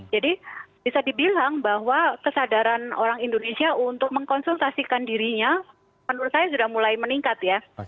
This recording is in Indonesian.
jadi bisa dibilang bahwa kesadaran orang indonesia untuk mengkonsultasikan dirinya menurut saya sudah mulai meningkat ya